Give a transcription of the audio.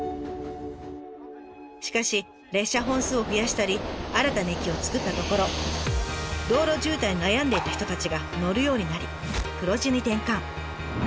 しかし列車本数を増やしたり新たな駅を作ったところ道路渋滞に悩んでいた人たちが乗るようになり黒字に転換。